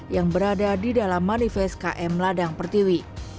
yang berada di dalam manifest km ladang pertiwi